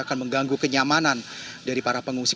akan mengganggu kenyamanan dari para pengungsi